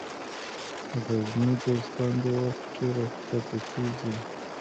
غرني دوستان دې وخت کې راکښته کېږي.